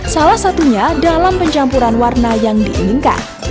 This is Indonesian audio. salah satunya dalam pencampuran warna yang diinginkan